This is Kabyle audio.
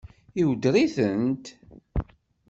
Iweddeṛ-itent?